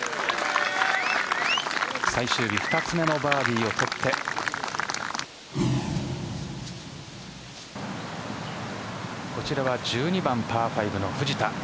最終日２つ目のバーディーを取ってこちらは１２番パー５の藤田。